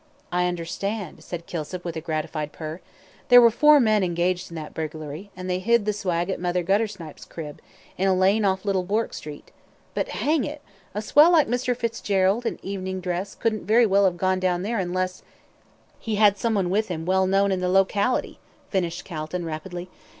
"I understand," said Kilsip, with a gratified purr. "There were four men engaged in that burglary, and they hid the swag at Mother Guttersnipe's crib, in a lane off Little Bourke Street but hang it, a swell like Mr. Fitzgerald, in evening dress, couldn't very well have gone down there unless " "He had some one with him well known in the locality," finished Calton, rapidly.